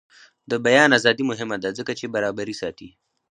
د بیان ازادي مهمه ده ځکه چې برابري ساتي.